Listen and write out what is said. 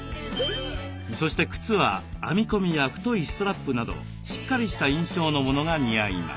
そして靴は編み込みや太いストラップなどしっかりした印象のものが似合います。